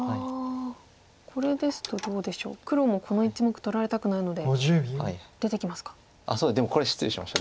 これですとどうでしょう黒もこの１目取られたくないので出てきますか。